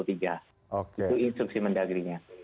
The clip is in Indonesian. itu instruksi mendagrinya